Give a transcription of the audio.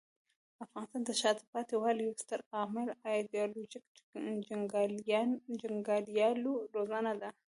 د افغانستان د شاته پاتې والي یو ستر عامل ایډیالوژیک جنګیالیو روزنه ده.